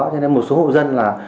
cho nên một số hộ dân là